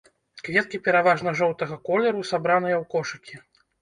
Кветкі пераважна жоўтага колеру, сабраныя ў кошыкі.